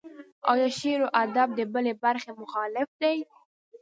ایا شعر و ادب د بلې برخې مخالف دی.